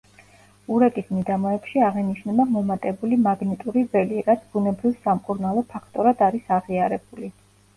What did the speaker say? ურეკის მიდამოებში აღინიშნება მომატებული მაგნიტური ველი, რაც ბუნებრივ სამკურნალო ფაქტორად არის აღიარებული.